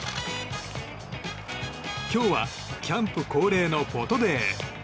今日はキャンプ恒例のフォトデー。